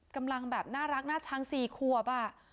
กำลังแบบน่ารักหน้าช้างสี่ควบ